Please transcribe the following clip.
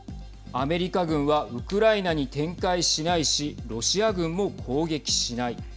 アメリカ軍はウクライナに展開しないしロシア軍も攻撃しない。